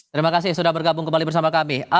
terima kasih sudah bergabung kembali bersama kami